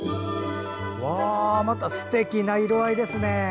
すてきな色合いですね！